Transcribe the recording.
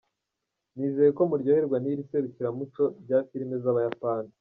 Nizeye ko muryoherwa n’iri serukiramuco rya filime z’Abayapani.